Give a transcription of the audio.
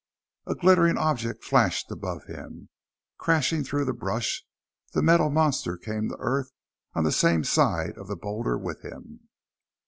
A glittering object flashed above him. Crashing through the brush the metal monster came to earth on the same side of the boulder with him.